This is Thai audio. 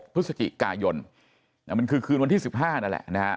พฤศจิกายนมันคือคืนวันที่๑๕นั่นแหละนะฮะ